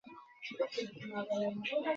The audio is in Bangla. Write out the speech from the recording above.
এবার শুনে ভাল লাগল!